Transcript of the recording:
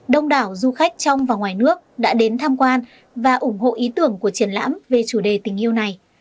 đông đảo du khách trong và ngoài nước đã đến tham quan và ủng hộ ý tưởng của triển lãm về chủ đề tình yêu này